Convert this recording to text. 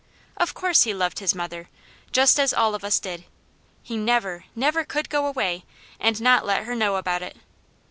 Of course he loved his mother, just as all of us did; he never, never could go away and not let her know about it.